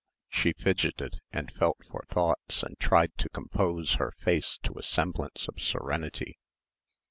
She fidgeted and felt for thoughts and tried to compose her face to a semblance of serenity.